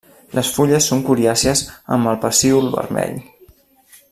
Les fulles són coriàcies amb el pecíol vermell.